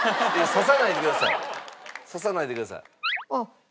慣れないでください。